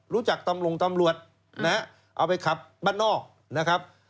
รู้จักตำรงตำรวจเอาไปขับบ้านนอกนะครับ